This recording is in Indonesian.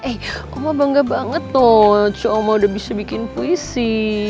eh oma bangga banget loh cucu oma udah bisa bikin puisi